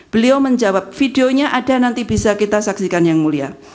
beliau menjawab videonya ada nanti bisa kita saksikan yang mulia